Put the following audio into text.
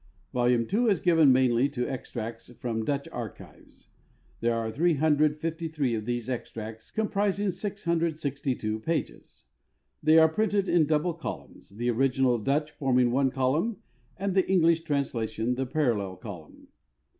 Volume 2 is given mainly to extracts from Dutch archives. There are 353 of these extracts, comprising 662 pages. They are printed in double columns, the original Dutch forming one column and the English translation the parallel column.